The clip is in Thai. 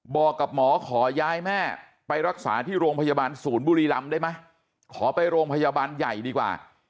บอกกับหมอขอย้ายแม่ไปรักษาที่โรงพยาบาลศูนย์บุรีรำได้ไหมขอไปโรงพยาบาลใหญ่ดีกว่า